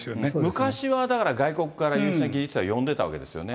昔はだから、外国から優秀な技術者呼んでたんですよね。